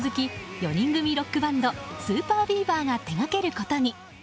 ４人組ロックバンドＳＵＰＥＲＢＥＡＶＥＲが手がけることに。